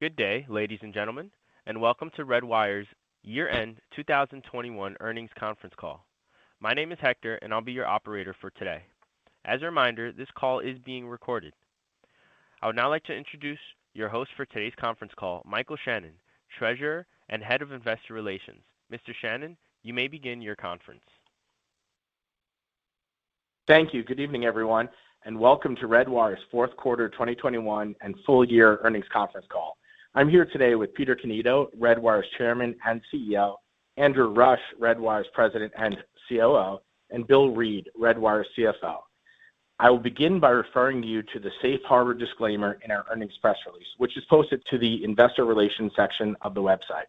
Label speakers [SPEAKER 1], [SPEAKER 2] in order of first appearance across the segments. [SPEAKER 1] Good day, ladies and gentlemen, and welcome to Redwire's year-end 2021 earnings conference call. My name is Hector, and I'll be your operator for today. As a reminder, this call is being recorded. I would now like to introduce your host for today's conference call, Michael Shannon, Treasurer and Head of Investor Relations. Mr. Shannon, you may begin your conference.
[SPEAKER 2] Thank you. Good evening, everyone, and welcome to Redwire's fourth quarter 2021 and full year earnings conference call. I'm here today with Peter Cannito, Redwire's Chairman and CEO, Andrew Rush, Redwire's President and COO, and Bill Read, Redwire's CFO. I will begin by referring you to the safe harbor disclaimer in our earnings press release, which is posted to the investor relations section of the website.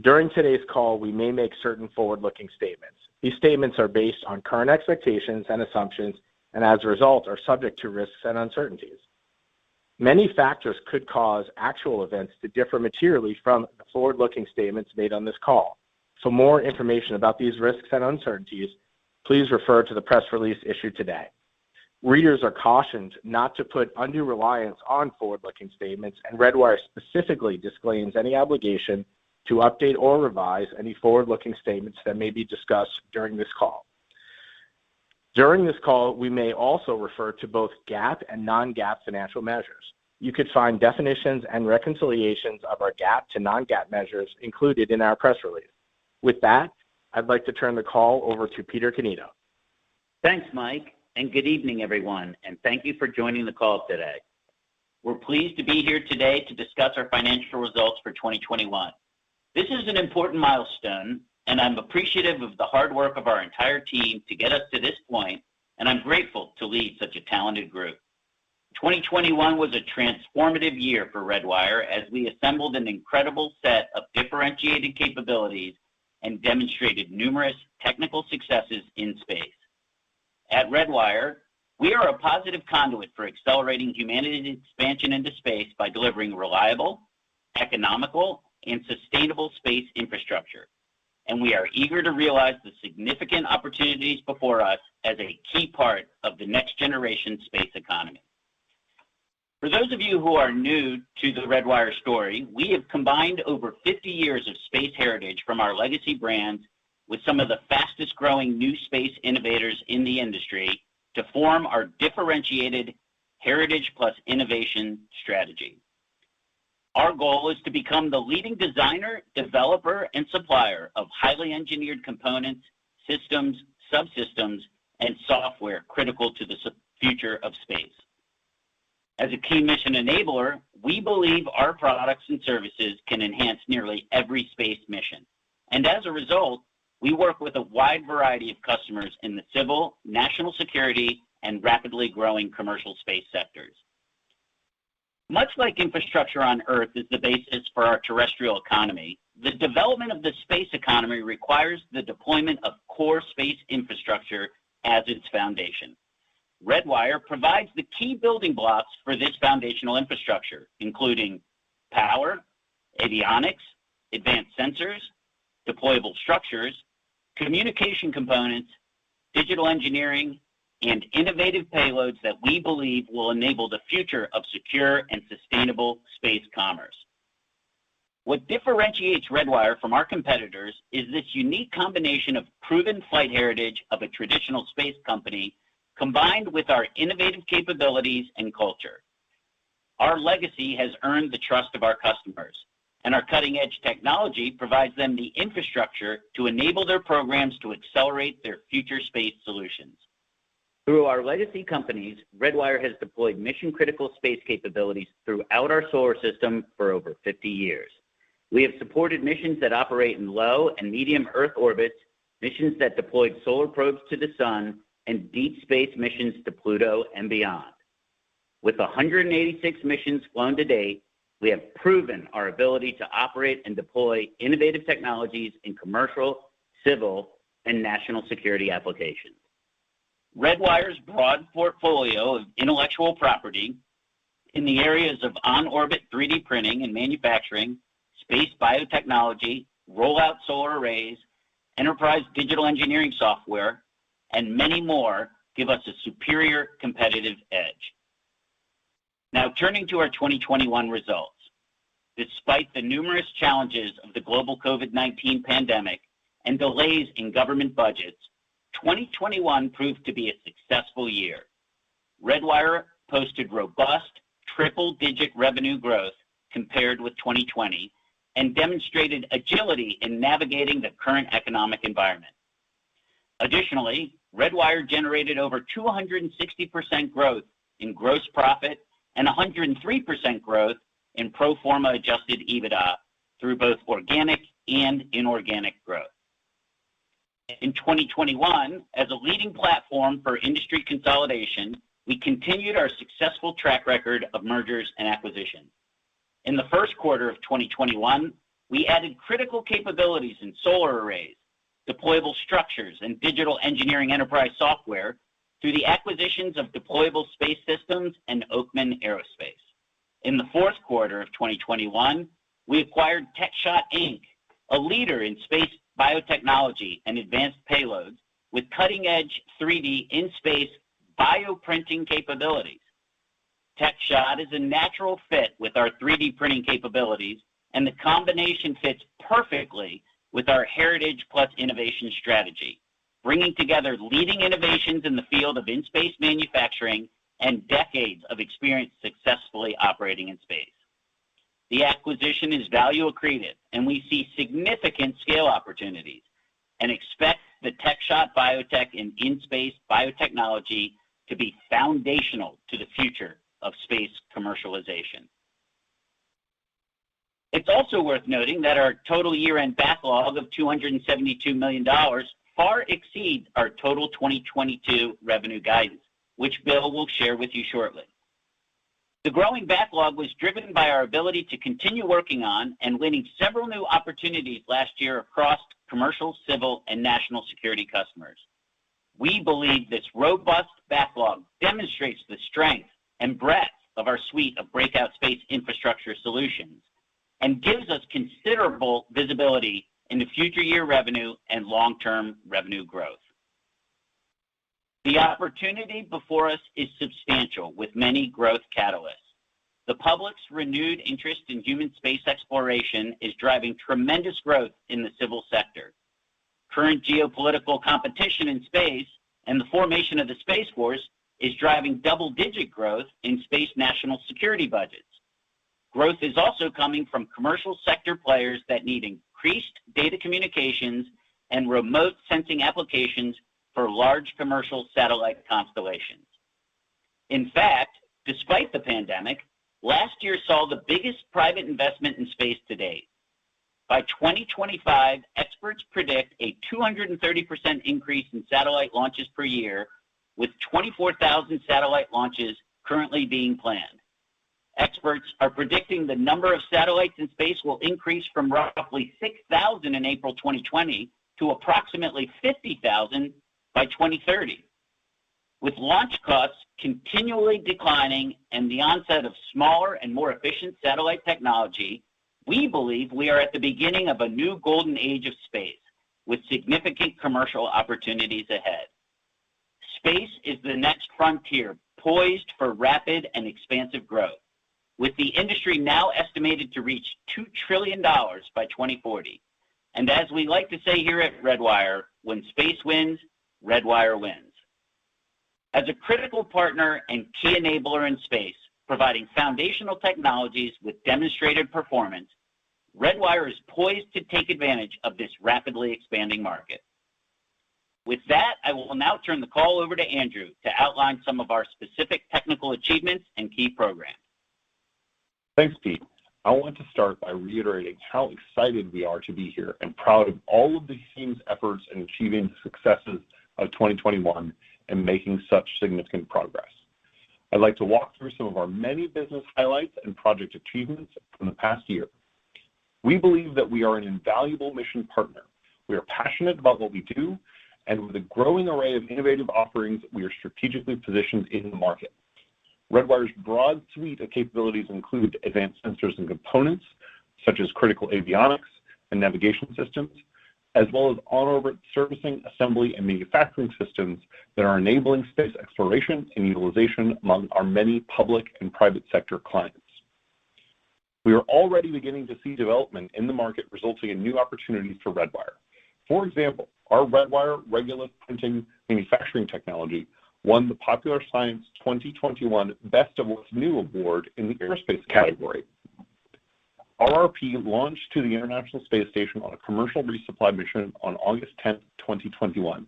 [SPEAKER 2] During today's call, we may make certain forward-looking statements. These statements are based on current expectations and assumptions, and as a result, are subject to risks and uncertainties. Many factors could cause actual events to differ materially from the forward-looking statements made on this call. For more information about these risks and uncertainties, please refer to the press release issued today. Readers are cautioned not to put undue reliance on forward-looking statements, and Redwire specifically disclaims any obligation to update or revise any forward-looking statements that may be discussed during this call. During this call, we may also refer to both GAAP and non-GAAP financial measures. You'll find definitions and reconciliations of our GAAP to non-GAAP measures included in our press release. With that, I'd like to turn the call over to Peter Cannito.
[SPEAKER 3] Thanks, Mike, and good evening, everyone, and thank you for joining the call today. We're pleased to be here today to discuss our financial results for 2021. This is an important milestone, and I'm appreciative of the hard work of our entire team to get us to this point, and I'm grateful to lead such a talented group. 2021 was a transformative year for Redwire as we assembled an incredible set of differentiated capabilities and demonstrated numerous technical successes in space. At Redwire, we are a positive conduit for accelerating humanity's expansion into space by delivering reliable, economical, and sustainable space infrastructure, and we are eager to realize the significant opportunities before us as a key part of the next generation space economy. For those of you who are new to the Redwire story, we have combined over 50 years of space heritage from our legacy brands with some of the fastest-growing new space innovators in the industry to form our differentiated heritage plus innovation strategy. Our goal is to become the leading designer, developer, and supplier of highly engineered components, systems, subsystems, and software critical to the future of space. As a key mission enabler, we believe our products and services can enhance nearly every space mission. As a result, we work with a wide variety of customers in the civil, national security, and rapidly growing commercial space sectors. Much like infrastructure on Earth is the basis for our terrestrial economy, the development of the space economy requires the deployment of core space infrastructure as its foundation. Redwire provides the key building blocks for this foundational infrastructure, including power, avionics, advanced sensors, deployable structures, communication components, digital engineering, and innovative payloads that we believe will enable the future of secure and sustainable space commerce. What differentiates Redwire from our competitors is this unique combination of proven flight heritage of a traditional space company combined with our innovative capabilities and culture. Our legacy has earned the trust of our customers, and our cutting-edge technology provides them the infrastructure to enable their programs to accelerate their future space solutions. Through our legacy companies, Redwire has deployed mission-critical space capabilities throughout our solar system for over 50 years. We have supported missions that operate in low and medium Earth orbits, missions that deployed solar probes to the sun, and deep space missions to Pluto and beyond. With 186 missions flown to date, we have proven our ability to operate and deploy innovative technologies in commercial, civil, and national security applications. Redwire's broad portfolio of intellectual property in the areas of on-orbit 3D printing and manufacturing, space biotechnology, roll-out solar arrays, enterprise digital engineering software, and many more give us a superior competitive edge. Now turning to our 2021 results. Despite the numerous challenges of the global COVID-19 pandemic and delays in government budgets, 2021 proved to be a successful year. Redwire posted robust triple-digit revenue growth compared with 2020 and demonstrated agility in navigating the current economic environment. Additionally, Redwire generated over 260% growth in gross profit and 103% growth in pro forma adjusted EBITDA through both organic and inorganic growth. In 2021, as a leading platform for industry consolidation, we continued our successful track record of mergers and acquisitions. In the first quarter of 2021, we added critical capabilities in solar arrays, deployable structures, and digital engineering enterprise software through the acquisitions of Deployable Space Systems and Oakman Aerospace. In the fourth quarter of 2021, we acquired Techshot, Inc., a leader in space biotechnology and advanced payloads with cutting-edge 3D in-space printing, bioprinting capabilities. Techshot is a natural fit with our 3D printing capabilities, and the combination fits perfectly with our heritage plus innovation strategy, bringing together leading innovations in the field of in-space manufacturing and decades of experience successfully operating in space. The acquisition is value accretive, and we see significant scale opportunities and expect the Techshot biotech and in-space biotechnology to be foundational to the future of space commercialization. It's also worth noting that our total year-end backlog of $272 million far exceeds our total 2022 revenue guidance, which Bill will share with you shortly. The growing backlog was driven by our ability to continue working on and winning several new opportunities last year across commercial, civil, and national security customers. We believe this robust backlog demonstrates the strength and breadth of our suite of breakout space infrastructure solutions and gives us considerable visibility into future year revenue and long-term revenue growth. The opportunity before us is substantial with many growth catalysts. The public's renewed interest in human space exploration is driving tremendous growth in the civil sector. Current geopolitical competition in space and the formation of the Space Force is driving double-digit growth in space national security budgets. Growth is also coming from commercial sector players that need increased data communications and remote sensing applications for large commercial satellite constellations. In fact, despite the pandemic, last year saw the biggest private investment in space to date. By 2025, experts predict a 230% increase in satellite launches per year, with 24,000 satellite launches currently being planned. Experts are predicting the number of satellites in space will increase from roughly 6,000 in April 2020 to approximately 50,000 by 2030. With launch costs continually declining and the onset of smaller and more efficient satellite technology, we believe we are at the beginning of a new golden age of space with significant commercial opportunities ahead. Space is the next frontier poised for rapid and expansive growth. With the industry now estimated to reach $2 trillion by 2040. As we like to say here at Redwire, when space wins, Redwire wins. As a critical partner and key enabler in space, providing foundational technologies with demonstrated performance, Redwire is poised to take advantage of this rapidly expanding market. With that, I will now turn the call over to Andrew to outline some of our specific technical achievements and key programs.
[SPEAKER 4] Thanks, Pete. I want to start by reiterating how excited we are to be here and proud of all of the team's efforts in achieving the successes of 2021 and making such significant progress. I'd like to walk through some of our many business highlights and project achievements from the past year. We believe that we are an invaluable mission partner. We are passionate about what we do, and with a growing array of innovative offerings, we are strategically positioned in the market. Redwire's broad suite of capabilities include advanced sensors and components such as critical avionics and navigation systems, as well as on-orbit servicing, assembly, and manufacturing systems that are enabling space exploration and utilization among our many public and private sector clients. We are already beginning to see development in the market resulting in new opportunities for Redwire. For example, our Redwire Regolith Print manufacturing technology won the Popular Science 2021 Best of What's New award in the aerospace category. RRP launched to the International Space Station on a commercial resupply mission on August 10, 2021.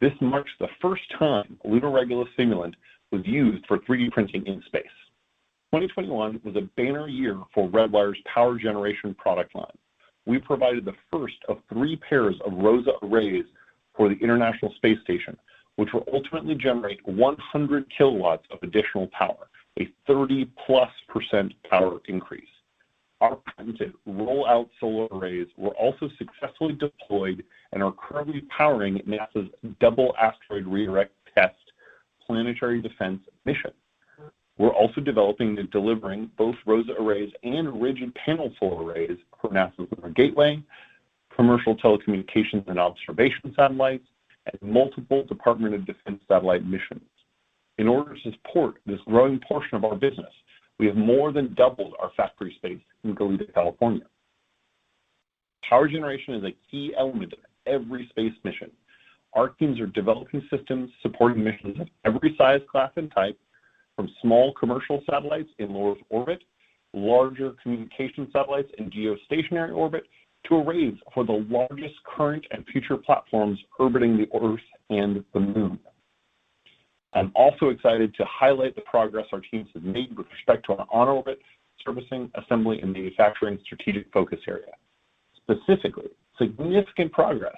[SPEAKER 4] This marks the first time lunar regolith simulant was used for 3D printing in space. 2021 was a banner year for Redwire's power generation product line. We provided the first of three pairs of ROSA arrays for the International Space Station, which will ultimately generate 100 kilowatts of additional power, a 30%+ power increase. Our printed roll-out solar arrays were also successfully deployed and are currently powering NASA's Double Asteroid Redirection Test planetary defense mission. We're also developing and delivering both ROSA arrays and rigid panel solar arrays for NASA's Lunar Gateway, commercial telecommunications and observation satellites, and multiple Department of Defense satellite missions. In order to support this growing portion of our business, we have more than doubled our factory space in Goleta, California. Power generation is a key element of every space mission. Our teams are developing systems supporting missions of every size, class, and type, from small commercial satellites in low Earth orbit, larger communication satellites in geostationary orbit, to arrays for the largest current and future platforms orbiting the Earth and the Moon. I'm also excited to highlight the progress our teams have made with respect to our on-orbit servicing, assembly, and manufacturing strategic focus area. Specifically, significant progress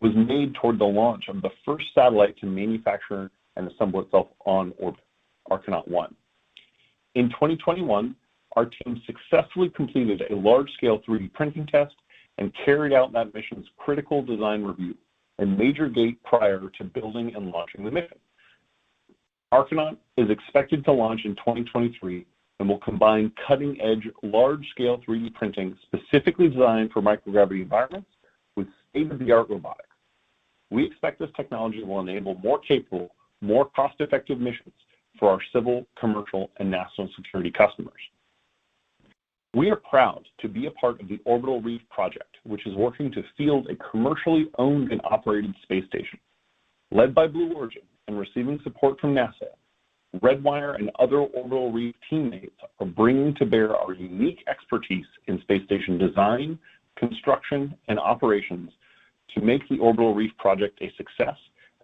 [SPEAKER 4] was made toward the launch of the first satellite to manufacture and assemble itself on orbit, Archinaut One. In 2021, our team successfully completed a large-scale 3D printing test and carried out that mission's critical design review, a major gate prior to building and launching the mission. Archinaut is expected to launch in 2023 and will combine cutting-edge large-scale 3D printing specifically designed for microgravity environments with state-of-the-art robotics. We expect this technology will enable more capable, more cost-effective missions for our civil, commercial, and national security customers. We are proud to be a part of the Orbital Reef project, which is working to field a commercially owned and operated space station. Led by Blue Origin and receiving support from NASA, Redwire and other Orbital Reef teammates are bringing to bear our unique expertise in space station design, construction, and operations to make the Orbital Reef project a success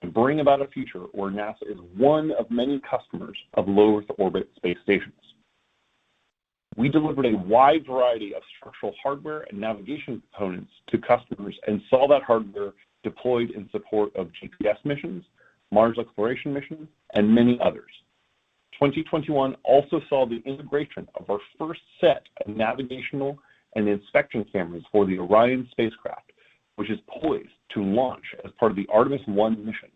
[SPEAKER 4] and bring about a future where NASA is one of many customers of low Earth orbit space stations. We delivered a wide variety of structural hardware and navigation components to customers and saw that hardware deployed in support of GPS missions, Mars exploration missions, and many others. 2021 also saw the integration of our first set of navigational and inspection cameras for the Orion spacecraft, which is poised to launch as part of the Artemis I mission.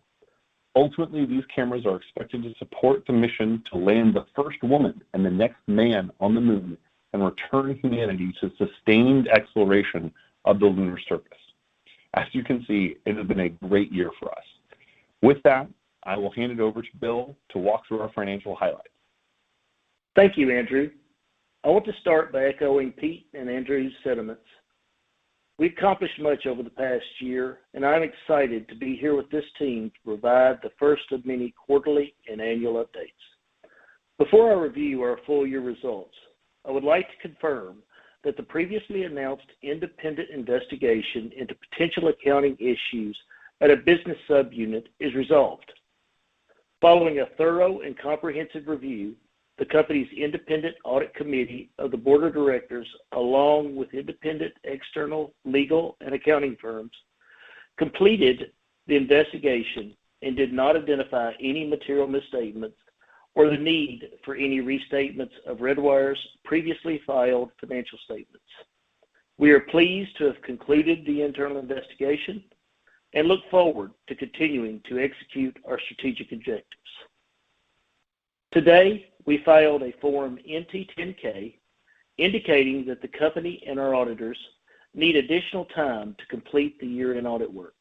[SPEAKER 4] Ultimately, these cameras are expected to support the mission to land the first woman and the next man on the moon and return humanity to sustained exploration of the lunar surface. As you can see, it has been a great year for us. With that, I will hand it over to Bill to walk through our financial highlights.
[SPEAKER 5] Thank you, Andrew. I want to start by echoing Pete and Andrew's sentiments. We've accomplished much over the past year, and I'm excited to be here with this team to provide the first of many quarterly and annual updates. Before I review our full year results, I would like to confirm that the previously announced independent investigation into potential accounting issues at a business subunit is resolved. Following a thorough and comprehensive review, the company's independent audit committee of the board of directors, along with independent external legal and accounting firms, completed the investigation and did not identify any material misstatements or the need for any restatements of Redwire's previously filed financial statements. We are pleased to have concluded the internal investigation and look forward to continuing to execute our strategic objectives. Today, we filed a Form NT 10-K indicating that the company and our auditors need additional time to complete the year-end audit work.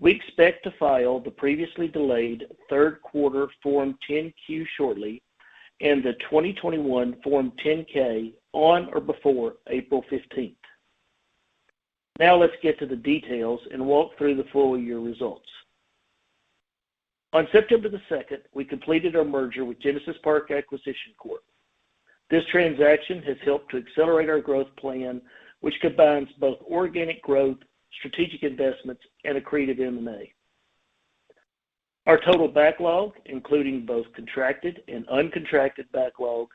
[SPEAKER 5] We expect to file the previously delayed third quarter Form 10-Q shortly and the 2021 Form 10-K on or before April 15. Now let's get to the details and walk through the full-year results. On September 2, we completed our merger with Genesis Park Acquisition Corp. This transaction has helped to accelerate our growth plan, which combines both organic growth, strategic investments, and accretive M&A. Our total backlog, including both contracted and uncontracted backlog,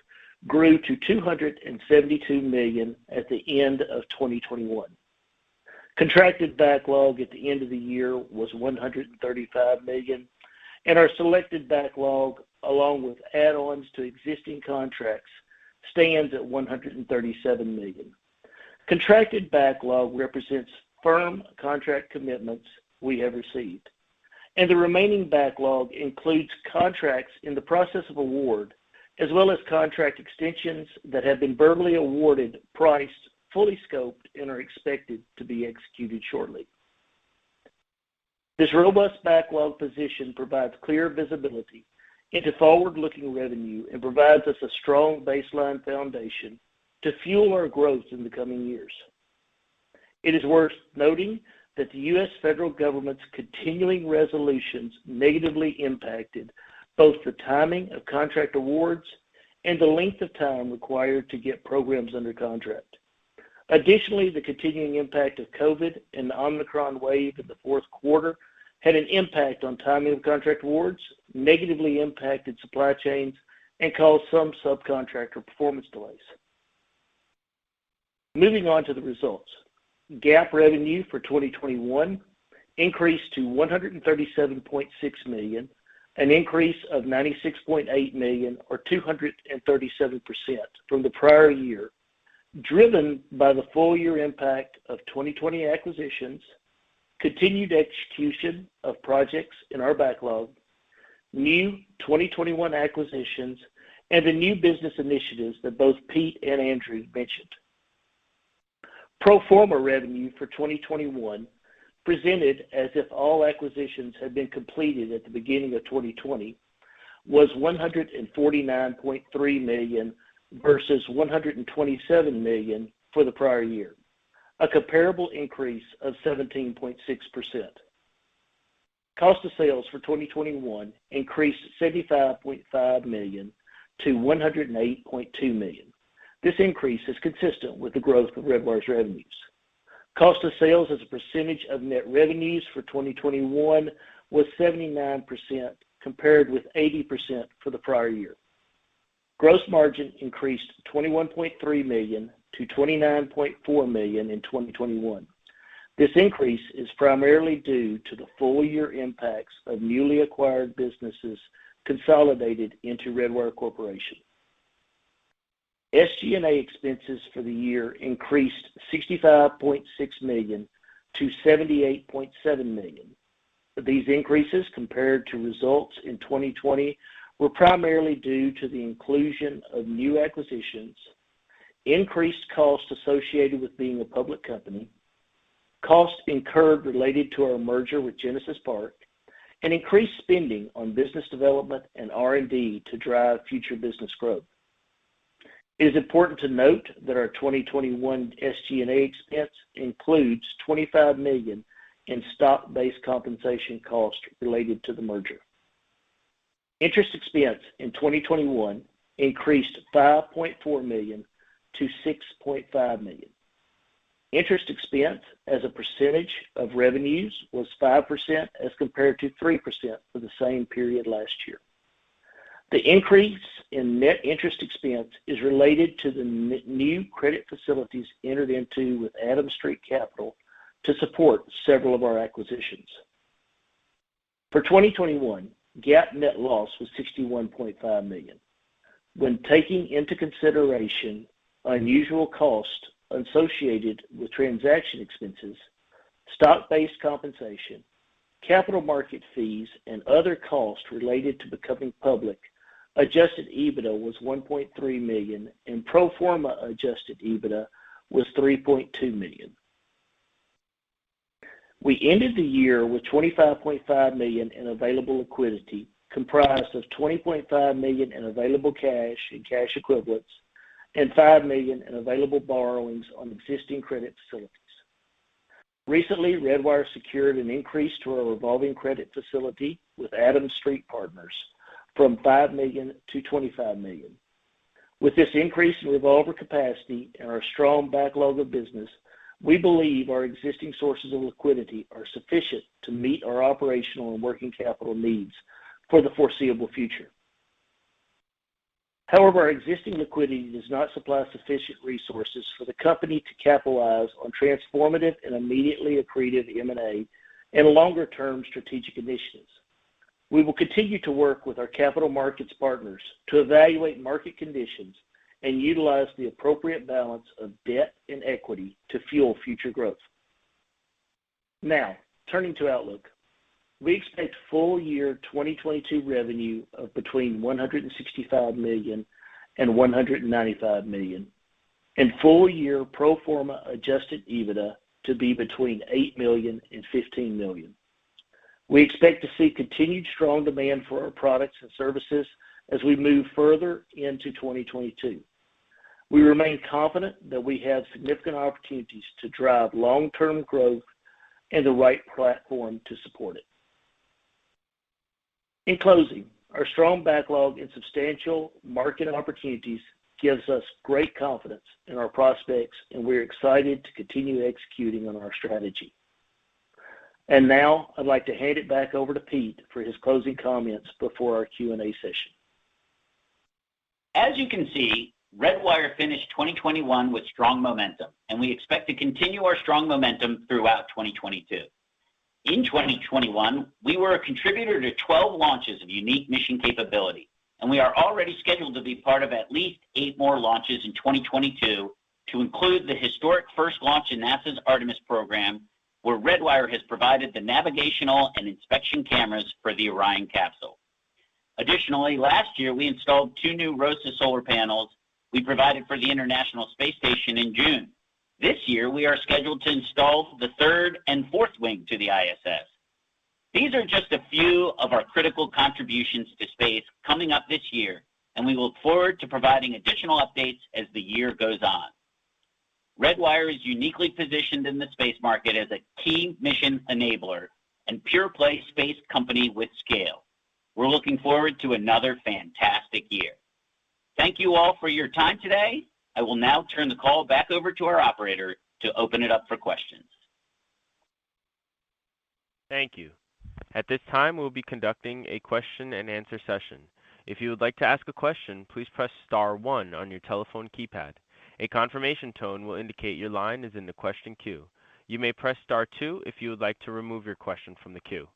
[SPEAKER 5] grew to $272 million at the end of 2021. Contracted backlog at the end of the year was $135 million, and our uncontracted backlog, along with add-ons to existing contracts, stands at $137 million. Contracted backlog represents firm contract commitments we have received, and the remaining backlog includes contracts in the process of award, as well as contract extensions that have been verbally awarded, priced, fully scoped, and are expected to be executed shortly. This robust backlog position provides clear visibility into forward-looking revenue and provides us a strong baseline foundation to fuel our growth in the coming years. It is worth noting that the U.S. federal government's continuing resolutions negatively impacted both the timing of contract awards and the length of time required to get programs under contract. Additionally, the continuing impact of COVID and the Omicron wave in the fourth quarter had an impact on timing of contract awards, negatively impacted supply chains, and caused some subcontractor performance delays. Moving on to the results. GAAP revenue for 2021 increased to $137.6 million, an increase of $96.8 million or 237% from the prior year, driven by the full year impact of 2020 acquisitions, continued execution of projects in our backlog, new 2021 acquisitions, and the new business initiatives that both Pete and Andrew mentioned. Pro forma revenue for 2021, presented as if all acquisitions had been completed at the beginning of 2020, was $149.3 million versus $127 million for the prior year, a comparable increase of 17.6%. Cost of sales for 2021 increased $75.5 million to $108.2 million. This increase is consistent with the growth of Redwire's revenues. Cost of sales as a percentage of net revenues for 2021 was 79%, compared with 80% for the prior year. Gross margin increased $21.3 million to $29.4 million in 2021. This increase is primarily due to the full-year impacts of newly acquired businesses consolidated into Redwire Corporation. SG&A expenses for the year increased $65.6 million to $78.7 million. These increases compared to results in 2020 were primarily due to the inclusion of new acquisitions, increased costs associated with being a public company, costs incurred related to our merger with Genesis Park, and increased spending on business development and R&D to drive future business growth. It is important to note that our 2021 SG&A expense includes $25 million in stock-based compensation costs related to the merger. Interest expense in 2021 increased $5.4 million to $6.5 million. Interest expense as a percentage of revenues was 5% as compared to 3% for the same period last year. The increase in net interest expense is related to the new credit facilities entered into with Adams Street Partners to support several of our acquisitions. For 2021, GAAP net loss was $61.5 million. When taking into consideration unusual costs associated with transaction expenses, stock-based compensation, capital market fees, and other costs related to becoming public, adjusted EBITDA was $1.3 million, and pro forma adjusted EBITDA was $3.2 million. We ended the year with $25.5 million in available liquidity, comprised of $20.5 million in available cash and cash equivalents and $5 million in available borrowings on existing credit facilities. Recently, Redwire secured an increase to our revolving credit facility with Adams Street Partners from $5 million to $25 million. With this increase in revolver capacity and our strong backlog of business, we believe our existing sources of liquidity are sufficient to meet our operational and working capital needs for the foreseeable future. However, our existing liquidity does not supply sufficient resources for the company to capitalize on transformative and immediately accretive M&A and longer-term strategic initiatives. We will continue to work with our capital markets partners to evaluate market conditions and utilize the appropriate balance of debt and equity to fuel future growth. Now, turning to outlook. We expect full year 2022 revenue of between $165 million and $195 million, and full year pro forma adjusted EBITDA to be between $8 million and $15 million. We expect to see continued strong demand for our products and services as we move further into 2022. We remain confident that we have significant opportunities to drive long-term growth and the right platform to support it. In closing, our strong backlog and substantial market opportunities gives us great confidence in our prospects, and we're excited to continue executing on our strategy. Now I'd like to hand it back over to Pete for his closing comments before our Q&A session.
[SPEAKER 3] As you can see, Redwire finished 2021 with strong momentum, and we expect to continue our strong momentum throughout 2022. In 2021, we were a contributor to 12 launches of unique mission capability, and we are already scheduled to be part of at least eight more launches in 2022 to include the historic first launch in NASA's Artemis program, where Redwire has provided the navigational and inspection cameras for the Orion capsule. Additionally, last year, we installed two new ROSA solar panels we provided for the International Space Station in June. This year, we are scheduled to install the third and fourth wing to the ISS. These are just a few of our critical contributions to space coming up this year, and we look forward to providing additional updates as the year goes on. Redwire is uniquely positioned in the space market as a key mission enabler and pure play space company with scale. We're looking forward to another fantastic year. Thank you all for your time today. I will now turn the call back over to our operator to open it up for questions.
[SPEAKER 1] Thank you. At this time, we'll be conducting a question and answer session. If you would like to ask a question, please press star one on your telephone keypad. A confirmation tone will indicate your line is in the question queue. You may press star two if you would like to remove your question from the queue.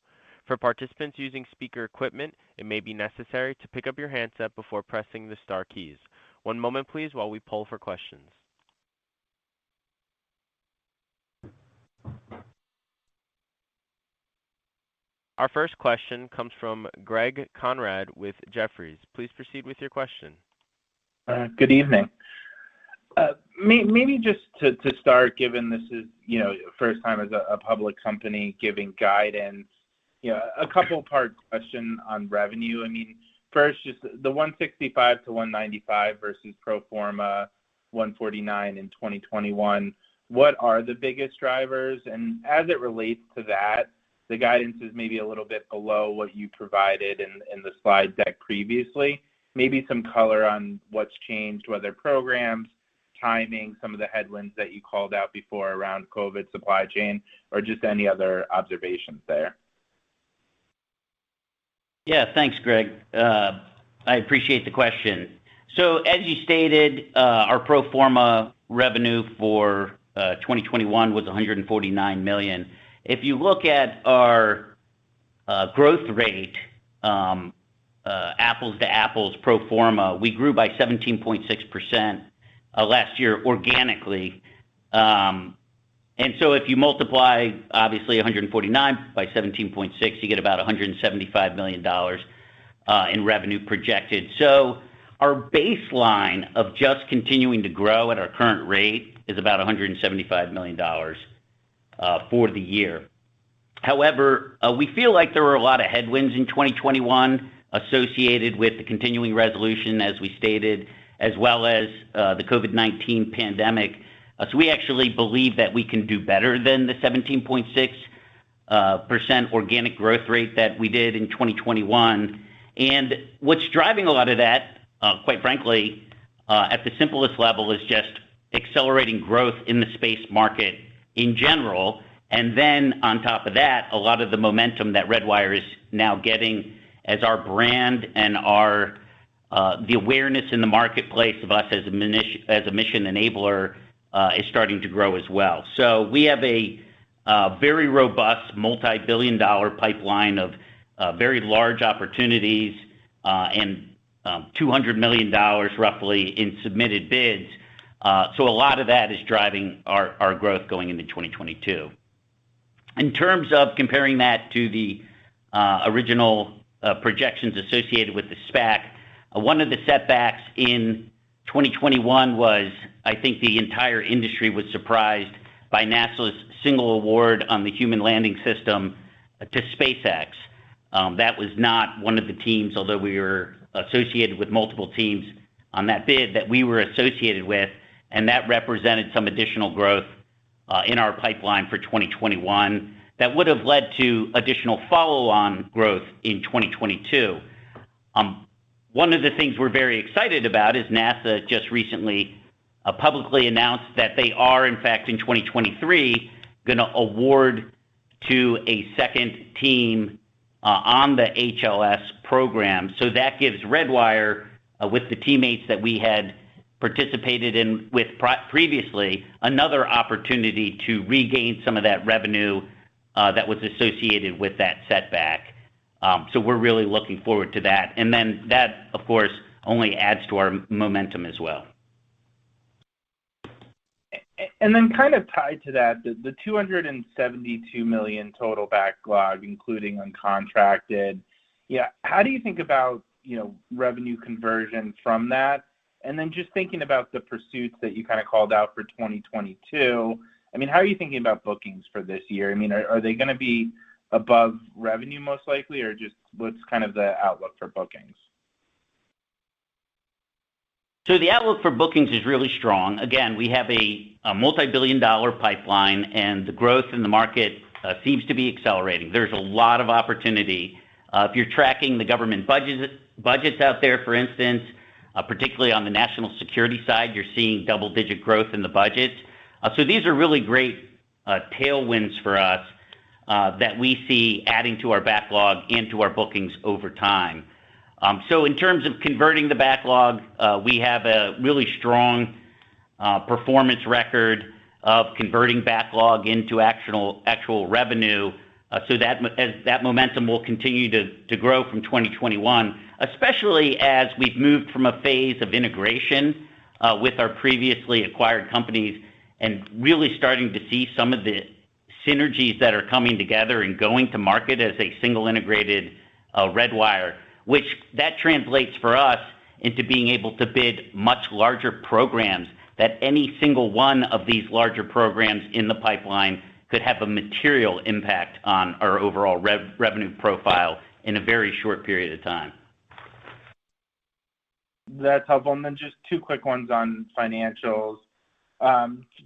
[SPEAKER 1] For participants using speaker equipment, it may be necessary to pick up your handset before pressing the star keys. One moment please while we poll for questions. Our first question comes from Greg Konrad with Jefferies. Please proceed with your question.
[SPEAKER 6] Good evening. Maybe just to start, given this is your first time as a public company giving guidance a couple part question on revenue. First, just the $165-$195 versus pro forma $149 in 2021, what are the biggest drivers? As it relates to that, the guidance is maybe a little bit below what you provided in the slide deck previously. Maybe some color on what's changed, whether programs, timing, some of the headwinds that you called out before around COVID supply chain or just any other observations there.
[SPEAKER 3] Yeah. Thanks, Greg. I appreciate the question. As you stated, our pro forma revenue for 2021 was $149 million. If you look at our growth rate, apples to apples pro forma, we grew by 17.6% last year organically. If you multiply obviously 149 by 17.6, you get about $175 million in revenue projected. Our baseline of just continuing to grow at our current rate is about $175 million for the year. However, we feel like there were a lot of headwinds in 2021 associated with the continuing resolution, as we stated, as well as the COVID-19 pandemic. We actually believe that we can do better than the 17.6% organic growth rate that we did in 2021. What's driving a lot of that, quite frankly, at the simplest level, is just accelerating growth in the space market in general. On top of that, a lot of the momentum that Redwire is now getting as our brand and our, the awareness in the marketplace of us as a mission enabler, is starting to grow as well. We have a very robust multi-billion dollar pipeline of very large opportunities, and $200 million roughly in submitted bids. A lot of that is driving our growth going into 2022. In terms of comparing that to the original projections associated with the SPAC, one of the setbacks in 2021 was, I think the entire industry was surprised by NASA's single award on the Human Landing System to SpaceX. That was not one of the teams, although we were associated with multiple teams on that bid, and that represented some additional growth in our pipeline for 2021 that would have led to additional follow-on growth in 2022. One of the things we're very excited about is NASA just recently publicly announced that they are in fact in 2023 gonna award to a second team on the HLS program. That gives Redwire with the teammates that we had participated in with previously another opportunity to regain some of that revenue that was associated with that setback. We're really looking forward to that. That, of course, only adds to our momentum as well.
[SPEAKER 6] Kind of tied to that, the $272 million total backlog, including uncontracted. Yeah, how do you think about revenue conversion from that? Just thinking about the pursuits that you kind of called out for 2022, I mean, how are you thinking about bookings for this year? Are they gonna be above revenue most likely, or just what's kind of the outlook for bookings?
[SPEAKER 3] The outlook for bookings is really strong. Again, we have a multi-billion-dollar pipeline, and the growth in the market seems to be accelerating. There's a lot of opportunity. If you're tracking the government budgets out there, for instance, particularly on the national security side, you're seeing double-digit growth in the budget. These are really great tailwinds for us that we see adding to our backlog and to our bookings over time. In terms of converting the backlog, we have a really strong performance record of converting backlog into actual revenue. That momentum will continue to grow from 2021, especially as we've moved from a phase of integration with our previously acquired companies and really starting to see some of the synergies that are coming together and going to market as a single integrated Redwire. Which translates for us into being able to bid much larger programs that any single one of these larger programs in the pipeline could have a material impact on our overall revenue profile in a very short period of time.
[SPEAKER 6] That's helpful. Just two quick ones on financials.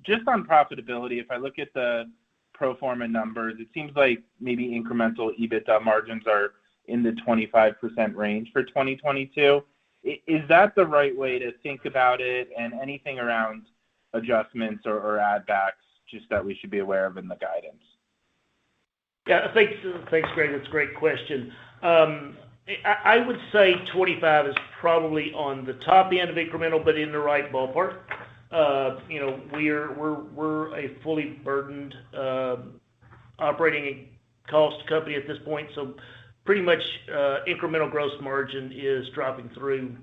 [SPEAKER 6] Just on profitability, if I look at the pro forma numbers, it seems like maybe incremental EBITDA margins are in the 25% range for 2022. Is that the right way to think about it? Anything around adjustments or add backs just that we should be aware of in the guidance?
[SPEAKER 5] Yeah. Thanks, Greg. That's a great question. I would say 25 is probably on the top end of incremental, but in the right ballpark. We're a fully burdened operating cost company at this point, so pretty much incremental gross margin is dropping through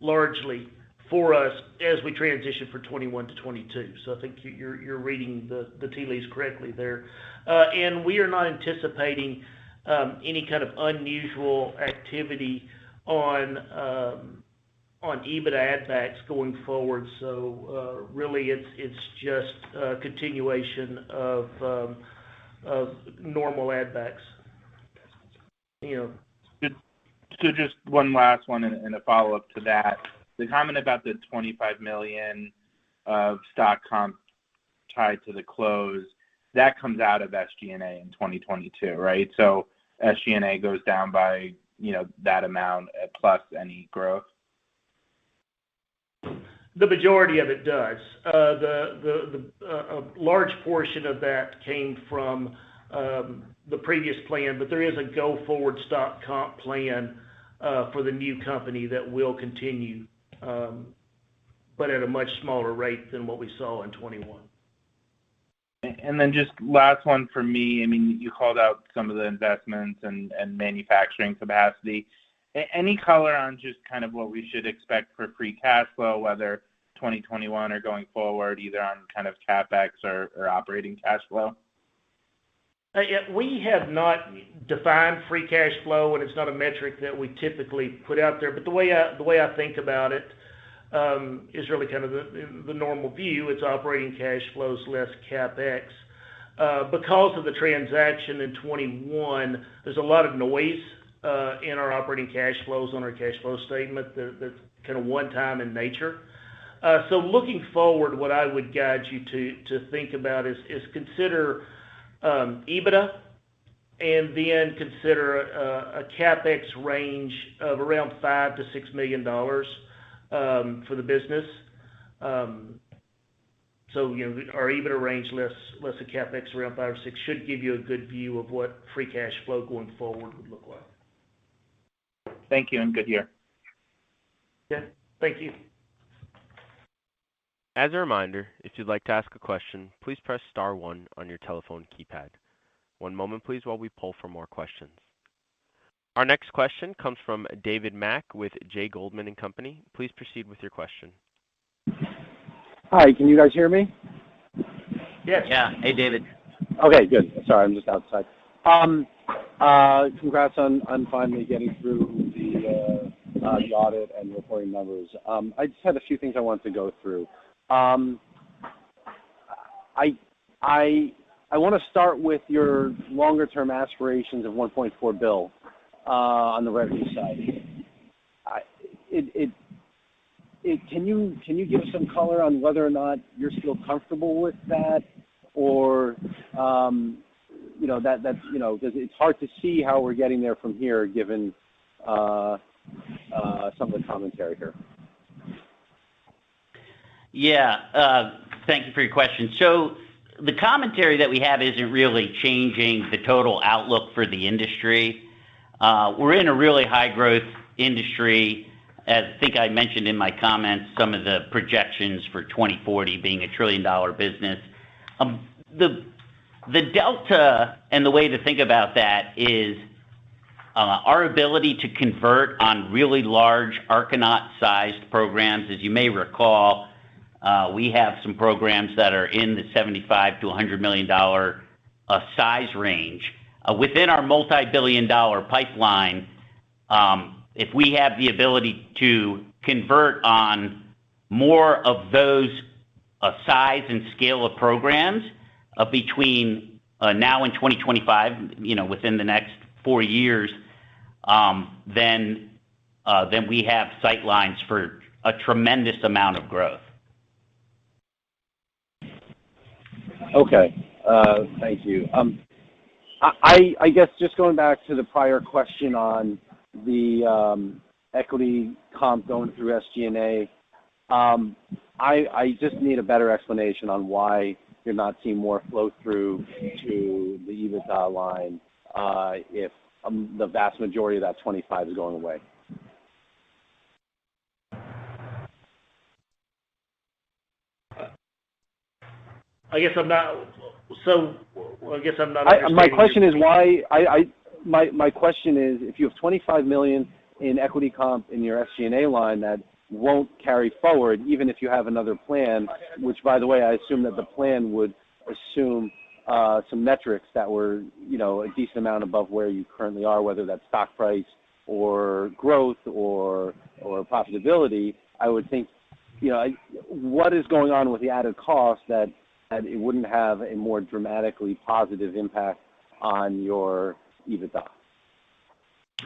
[SPEAKER 5] largely for us as we transition from 2021 to 2022. You're reading the tea leaves correctly there. We are not anticipating any kind of unusual activity on EBIT add backs going forward. Really it's just a continuation of normal add backs.
[SPEAKER 6] Good. Just one last one and a follow-up to that. The comment about the $25 million of stock comp tied to the close, that comes out of SG&A in 2022, right? SG&A goes down by that amount plus any growth.
[SPEAKER 5] The majority of it does. The large portion of that came from the previous plan, but there is a go-forward stock comp plan for the new company that will continue, but at a much smaller rate than what we saw in 2021.
[SPEAKER 6] Just last one for me. You called out some of the investments and manufacturing capacity. Any color on just kind of what we should expect for free cash flow, whether 2021 or going forward, either on kind of CapEx or operating cash flow?
[SPEAKER 5] Yeah, we have not defined free cash flow, and it's not a metric that we typically put out there. The way I think about it is really kind of the normal view. It's operating cash flows less CapEx. Because of the transaction in 2021, there's a lot of noise in our operating cash flows on our cash flow statement that's kinda one-time in nature. Looking forward, what I would guide you to think about is consider EBITDA and then consider a CapEx range of around $5 million-$6 million for the business. Our EBITDA range less the CapEx around $5 million or $6 million should give you a good view of what free cash flow going forward would look like.
[SPEAKER 6] Thank you. I'm good here.
[SPEAKER 5] Yeah. Thank you.
[SPEAKER 1] As a reminder, if you'd like to ask a question, please press star one on your telephone keypad. One moment, please, while we poll for more questions. Our next question comes from David Mack with J. Goldman & Co. Please proceed with your question.
[SPEAKER 7] Hi. Can you guys hear me?
[SPEAKER 5] Yes.
[SPEAKER 3] Yeah. Hey, David.
[SPEAKER 7] Okay, good. Sorry, I'm just outside. Congrats on finally getting through the audit and reporting numbers. I just had a few things I wanted to go through. I wanna start with your longer term aspirations of $1.4 billion on the revenue side. Can you give some color on whether or not you're still comfortable with that or that's, 'cause it's hard to see how we're getting there from here given some of the commentary here.
[SPEAKER 3] Yeah. Thank you for your question. The commentary that we have isn't really changing the total outlook for the industry. We're in a really high growth industry. As I think I mentioned in my comments, some of the projections for 2040 being a trillion-dollar business. The delta and the way to think about that is our ability to convert on really large Archinaut-sized programs. As you may recall, we have some programs that are in the $75 million-$100 million size range. Within our multi-billion dollar pipeline, if we have the ability to convert on more of those size and scale of programs, between now and 2025 within the next four years, then we have sight lines for a tremendous amount of growth.
[SPEAKER 7] Okay. Thank you. Just going back to the prior question on the equity comp going through SG&A. I just need a better explanation on why you're not seeing more flow through to the EBITDA line, if the vast majority of that $25 is going away.
[SPEAKER 5] I guess I'm not understanding.
[SPEAKER 7] My question is, if you have $25 million in equity comp in your SG&A line, that won't carry forward even if you have another plan, which, by the way, I assume that the plan would assume some metrics that were a decent amount above where you currently are, whether that's stock price or growth or profitability. I would think what is going on with the added cost that it wouldn't have a more dramatically positive impact on your EBITDA?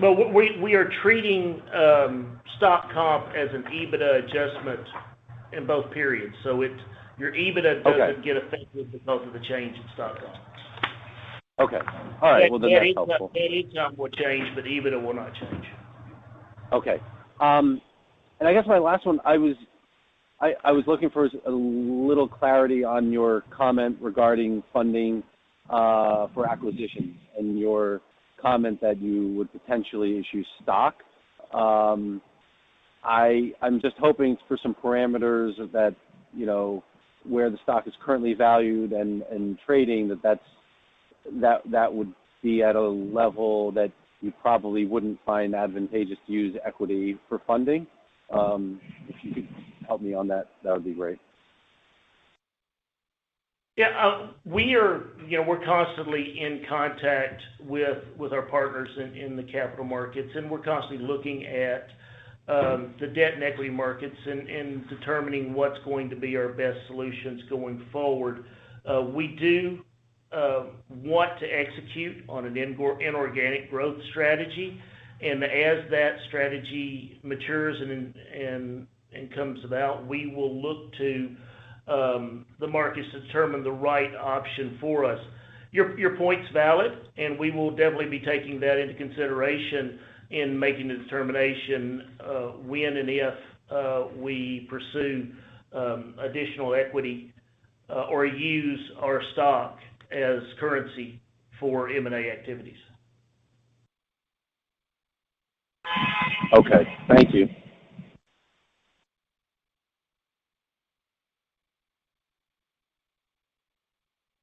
[SPEAKER 5] Well, we are treating stock comp as an EBITDA adjustment in both periods. Your EBITDA
[SPEAKER 7] Okay
[SPEAKER 5] doesn't get affected because of the change in stock comp.
[SPEAKER 7] Okay. All right. Well, that's helpful.
[SPEAKER 3] EBITDA will change, but EBITDA will not change.
[SPEAKER 7] Okay. My last one, I was looking for a little clarity on your comment regarding funding for acquisitions and your comment that you would potentially issue stock. I'm just hoping for some parameters that where the stock is currently valued and trading that that would be at a level that you probably wouldn't find advantageous to use equity for funding. If you could help me on that would be great.
[SPEAKER 5] Yeah. We're constantly in contact with our partners in the capital markets, and we're constantly looking at the debt and equity markets and determining what's going to be our best solutions going forward. We do want to execute on an inorganic growth strategy. As that strategy matures and comes about, we will look to the markets to determine the right option for us. Your point's valid, and we will definitely be taking that into consideration in making the determination of when and if we pursue additional equity or use our stock as currency for M&A activities.
[SPEAKER 7] Okay. Thank you.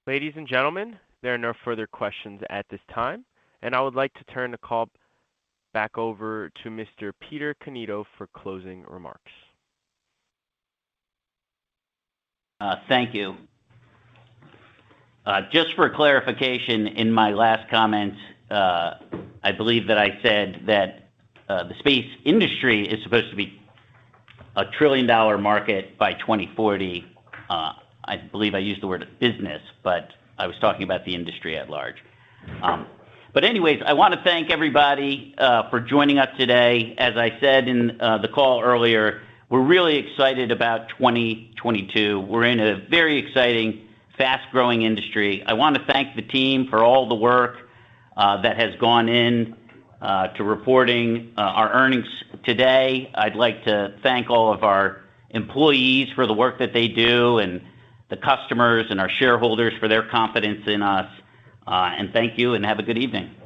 [SPEAKER 1] Ladies and gentlemen, there are no further questions at this time, and I would like to turn the call back over to Mr. Peter Cannito for closing remarks.
[SPEAKER 3] Thank you. Just for clarification, in my last comment, I believe that I said that the space industry is supposed to be a trillion-dollar market by 2040. I believe I used the word business, but I was talking about the industry at large. Anyways, I wanna thank everybody for joining us today. As I said in the call earlier, we're really excited about 2022. We're in a very exciting, fast-growing industry. I wanna thank the team for all the work that has gone in to reporting our earnings today. I'd like to thank all of our employees for the work that they do and the customers and our shareholders for their confidence in us. Thank you, and have a good evening.